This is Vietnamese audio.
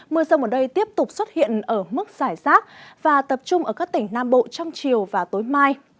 mưa rông ở đây tiếp tục xuất hiện ở mức giải rác và tập trung ở các tỉnh nam bộ trong chiều và tối mai